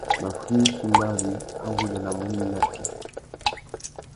Maffuï sumbari, a nʼgudjanamú mi nà tsi.